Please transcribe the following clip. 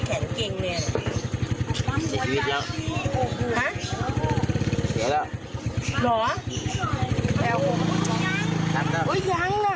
เผื่อยมันหน่อย